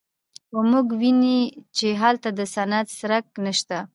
خو موږ ویني چې هلته د صنعت څرک نشته